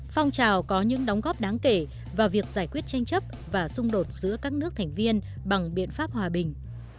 phong trào có những đóng góp đáng kể vào việc giải quyết tranh chấp và xung đột giữa các nước thành viên bằng biện pháp hòa bình